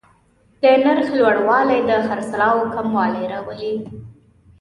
د نرخ لوړوالی د خرڅلاو کموالی راولي.